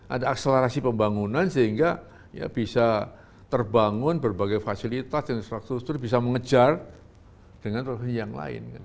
ada akselerasi pembangunan sehingga bisa terbangun berbagai fasilitas dan infrastruktur bisa mengejar dengan provinsi yang lain